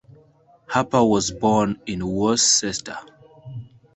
Harper was born in Worcester.